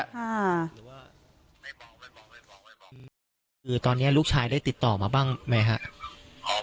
คือตอนนี้ลูกชายได้ติดต่อมาบ้างไหมครับ